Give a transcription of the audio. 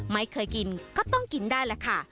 ไม่เคยกินก็ต้องกินได้แหละค่ะ